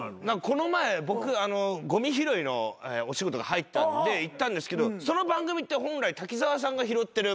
この前僕ゴミ拾いのお仕事が入ったんで行ったんですけどその番組って本来滝沢さんが拾ってる番組なんですよ。